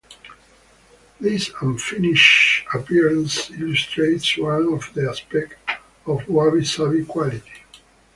This "unfinished" appearance illustrates one of the aspects of "wabi-sabi" quality.